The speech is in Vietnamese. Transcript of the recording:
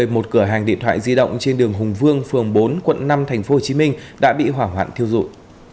một cửa hàng điện thoại di động trên đường hùng vương phường bốn quận năm tp hcm đã bị hoảng hoạn thiêu dụi